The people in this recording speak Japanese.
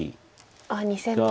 あっ２線の。